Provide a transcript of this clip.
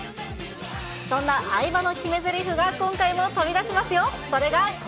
そんな饗庭の決めぜりふが今回も飛び出しますよ。